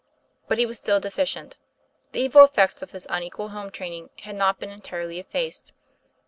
But he was still deficient; the evil effects of his unequal home training had not been entirely effaced.